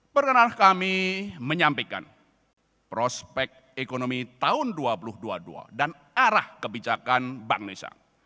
perkenal kami menyampaikan prospek ekonomi tahun dua ribu dua puluh dua dan arah kebijakan bank indonesia